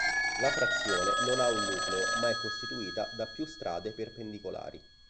La frazione non ha un nucleo ma è costituita da più strade perpendicolari.